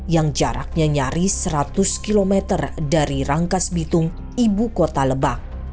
yang jaraknya nyaris seratus km dari rangkas bitung ibu kota lebak